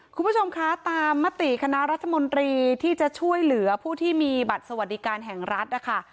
คุณผู้ชมคะตามมติคณะรัฐมนตรีที่จะช่วยเหลือผู้ที่มีบัตรสวัสดิการแห่งรัฐนะคะ